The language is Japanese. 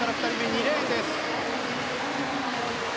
２レーンです。